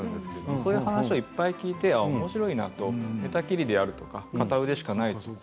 そういう話をいっぱい聞いて寝たきりであるとか片腕しかないなど。